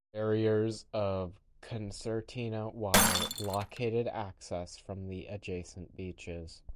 Barriers of concertina wire blockaded access from the adjacent beaches.